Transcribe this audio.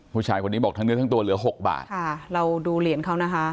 ผู้ชายคนนี้บอกทั้งเนื้อทั้งตัวเหลือหกบาทค่ะเราดูเหรียญเขานะคะ